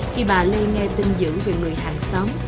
khi bà ly nghe tin dữ về người hàng xóm